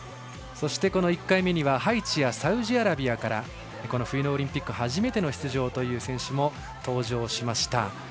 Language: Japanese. そして、この１回目にはハイチやサウジアラビアからこの冬のオリンピック初めての出場という選手も登場しました。